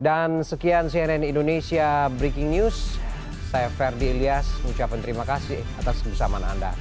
dan sekian cnn indonesia breaking news saya ferdi ilyas mengucapkan terima kasih atas kesamaan anda